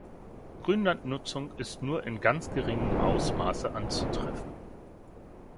Grünlandnutzung ist nur in ganz geringem Ausmaße anzutreffen.